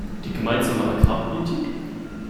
Die gemeinsame Agrarpolitik?